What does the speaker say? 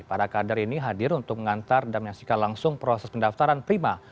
para kader ini hadir untuk mengantar dan menyaksikan langsung proses pendaftaran prima